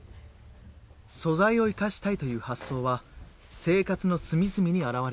素材を生かしたいという発想は生活の隅々に表れています。